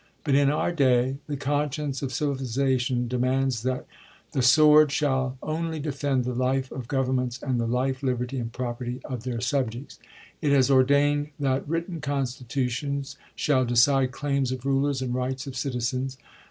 But in our day the conscience of civilization demands that the sword shall only defend the life of governments, and the life, liberty, and property of their subjects. It has ordained that written constitutions shall decide claims of rulers and rights of citizens.